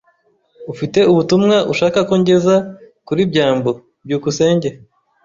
Ufite ubutumwa ushaka ko ngeza kuri byambo? byukusenge